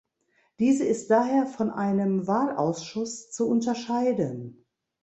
Diese ist daher von einem Wahlausschuss zu unterscheiden.